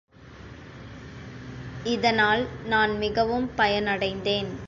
இதனால் நான் மிகவும் பயனடைந்தேன்.